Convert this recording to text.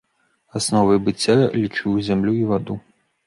Асновай быцця лічыў зямлю і ваду.